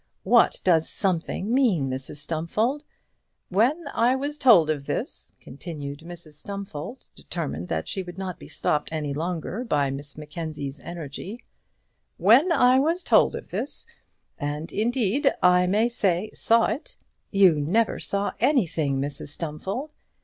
What does something mean, Mrs Stumfold?" "When I was told of this," continued Mrs Stumfold, determined that she would not be stopped any longer by Miss Mackenzie's energy; "when I was told of this, and, indeed, I may say saw it " "You never saw anything, Mrs Stumfold."